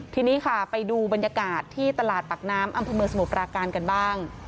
ทีนี้ค่ะไปดูบรรยากาศที่ตลาดปากน้ำอำเภอเมืองสมุทรปราการกันบ้าง